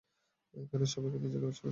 কেন সবাই নিজেকে স্পেশাল মনে করে?